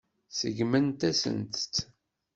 Seggment-asent-tt.